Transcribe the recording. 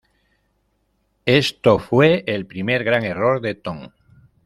Esto fue el primer gran error de Tom.